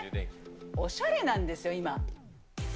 おしゃれなんですよ、今。